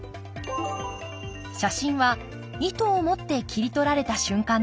写真は意図を持って切り取られた瞬間です。